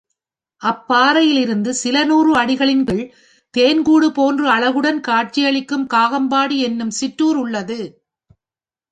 அப் பாறையிலிருந்து சில நூறு அடிகளின் கீழ் தேன்கூடு போன்று அழகுடன் காட்சியளிக்கும் காகம்பாடி என்னும் சிற்றூர் உள்ளது.